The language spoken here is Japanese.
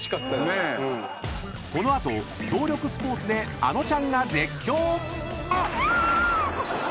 ［この後協力スポーツであのちゃんが絶叫⁉］